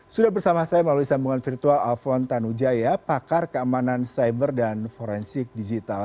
sudah bersama saya melalui sambungan virtual alphon tanujaya pakar keamanan cyber dan forensik digital